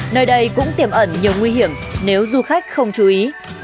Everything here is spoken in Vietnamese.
nơi đây cũng tiềm ẩn nhiều nguy hiểm nếu du khách không chú ý